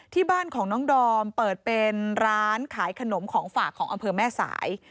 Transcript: ที่บ้านของน้องดอมเปิดเป็นร้านขายขนมของฝากของอำเภอแม่สาย